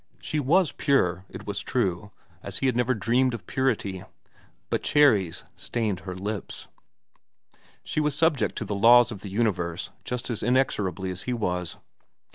She was pure, it was true, as he had never dreamed of purity; but cherries stained her lips. She was subject to the laws of the universe just as inexorably as he was.